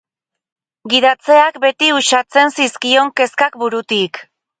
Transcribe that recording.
Gidatzeak beti uxatzen zizkion kezkak burutik...